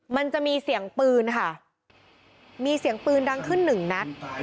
มันจะมีเสียงปืนค่ะมีเสียงปืนดังขึ้นหนึ่งนัด